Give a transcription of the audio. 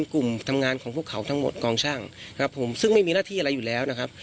กลุ่มทำงานของพวกเขาทั้งหมดกองช่างครับผมซึ่งไม่มีหน้าที่อะไรอยู่แล้วนะครับ